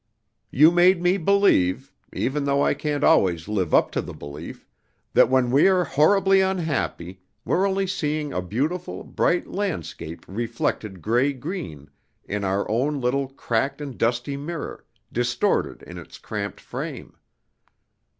"You made me believe (even though I can't always live up to the belief) that when we are horribly unhappy, we're only seeing a beautiful, bright landscape reflected gray green, in our own little cracked and dusty mirror, distorted in its cramped frame.